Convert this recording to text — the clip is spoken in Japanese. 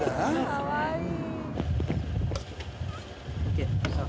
かわいい。